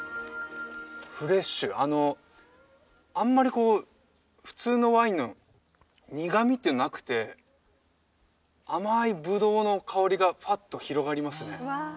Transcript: フレッシュあんまりこう普通のワインの苦みっていうのがなくて甘いブドウの香りがふわっと広がりますね